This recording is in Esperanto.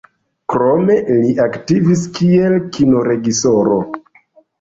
Krome li aktivis kiel Kino-reĝisoro.